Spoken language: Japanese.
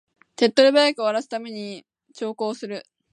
手っ取り早く終わらせるために長考する